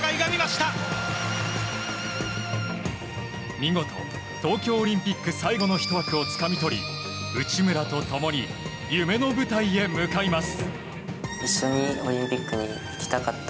見事、東京オリンピック最後の１枠をつかみ取り内村と共に夢の舞台へ向かいます。